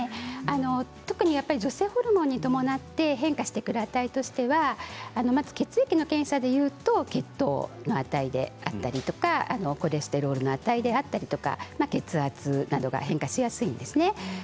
特に女性ホルモンに伴って変化していく値としてはまず血液の検査でいうと血糖の値であったりとかコレステロールの値であったりとか血圧などが変化しやすいんですね。